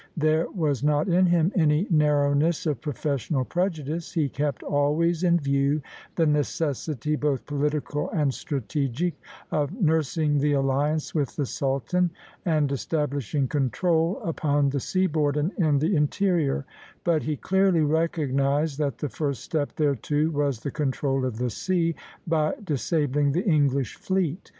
There was not in him any narrowness of professional prejudice; he kept always in view the necessity, both political and strategic, of nursing the alliance with the Sultan and establishing control upon the seaboard and in the interior; but he clearly recognized that the first step thereto was the control of the sea, by disabling the English fleet.